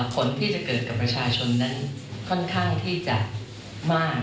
ผลที่จะเกิดกับประชาชนนั้นค่อนข้างที่จะมาก